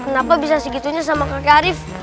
kenapa bisa segitunya sama kakek arief